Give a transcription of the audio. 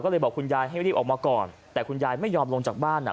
ก็เลยบอกคุณยายให้รีบออกมาก่อนแต่คุณยายไม่ยอมลงจากบ้านอ่ะ